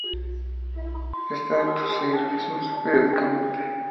Este acto sigue realizándose periódicamente.